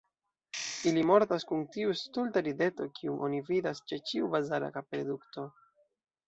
Ili mortas kun tiu stulta rideto, kiun oni vidas ĉe ĉiu bazara kapredukto.